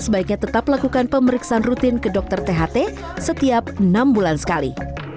sebaiknya tetap lakukan pemeriksaan rutin ke dokter tht setiap enam bulan sekali